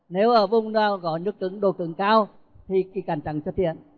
nếu ở vùng nào có nước đồ cứng cao thì cằn trắng xuất hiện